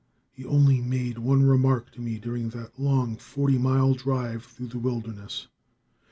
He only made one remark to me during that long forty mile drive through the wilderness.